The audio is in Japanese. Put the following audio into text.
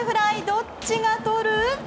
どっちがとる？